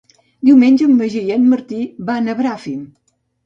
Diumenge en Magí i en Martí van a Bràfim.